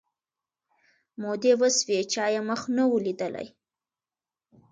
مودې وسوې چا یې مخ نه وو لیدلی